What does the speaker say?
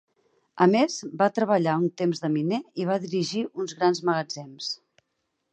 A més, va treballar un temps de miner i va dirigir uns grans magatzems.